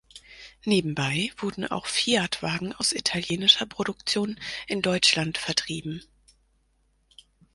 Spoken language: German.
Nebenbei wurden auch Fiat-Wagen aus italienischer Produktion in Deutschland vertrieben.